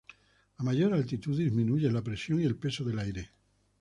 A mayor altitud disminuyen la presión y el peso del aire.